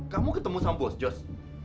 kamu ketemu sama bos jos